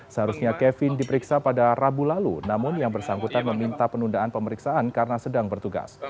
seharusnya kevin diperiksa pada rabu lalu namun yang bersangkutan meminta penundaan pemeriksaan karena sedang bertugas